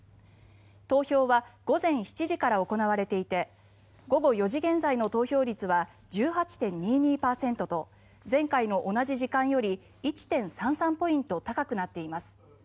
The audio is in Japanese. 投票は午前７時から行われていて午後４時現在の投票率は１８．２２％と前回の同じ時間より１．３３ポイント高くなっています。